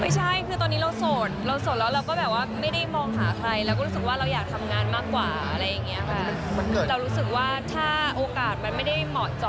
ใช่ค่ะใช่